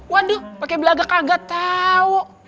waduh pake belaga kaget tau